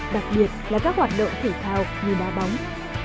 đặc biệt là các hoạt động thể thao như đá bóng